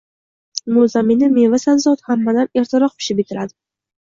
Bu zaminda meva-sabzavot hammadan ertaroq pishib yetiladi.